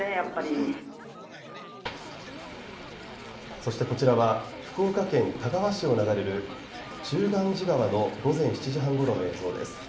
そしてこちらは福岡県田川市を流れる中元寺川の午前７時半ごろの映像です。